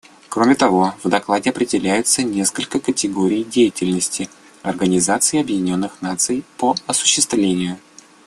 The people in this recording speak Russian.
Кроме того, в докладе определяются несколько категорий деятельности Организации Объединенных Наций по осуществлению.